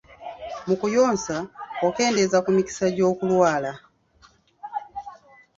Mu kuyonsa, okendeeza ku mikisa gy'okulwala.